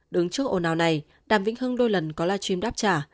đứng trước ồn ào này đàm vĩnh hưng đôi lần có live stream đáp trả